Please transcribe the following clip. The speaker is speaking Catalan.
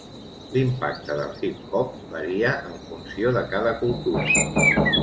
L'impacte del hip-hop varia en funció de cada cultura.